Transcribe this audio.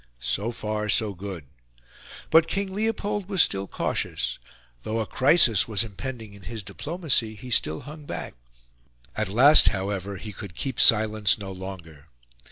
So far so good. But King Leopold was still cautious; though a crisis was impending in his diplomacy, he still hung back; at last, however, he could keep silence no longer.